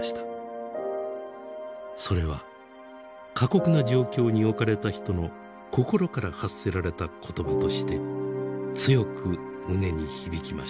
それは過酷な状況に置かれた人の心から発せられた言葉として強く胸に響きました。